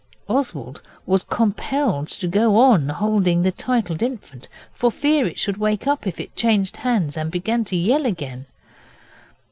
Oswald was compelled to go on holding the titled infant, for fear it should wake up if it changed hands, and begin to yell again.